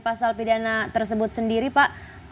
pasal pidana tersebut sendiri pak